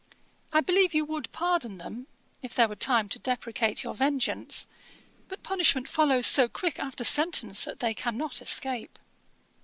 I believe you would pardon them, if there were time to deprecate your vengeance; but punishment follows so quick after sentence, that they cannot escape.'